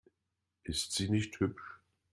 Ist sie nicht hübsch?